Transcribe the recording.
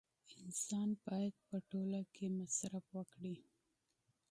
انسان باید په ټوله کې مصرف وکړي